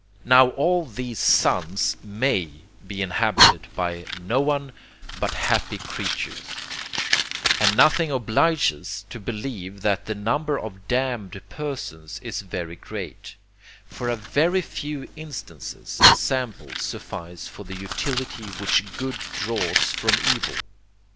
Now all these suns MAY be inhabited by none but happy creatures; and nothing obliges us to believe that the number of damned persons is very great; for a VERY FEW INSTANCES AND SAMPLES SUFFICE FOR THE UTILITY WHICH GOOD DRAWS FROM EVIL.